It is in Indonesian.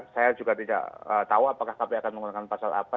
saya juga tidak tahu apakah kpk akan menggunakan pasal apa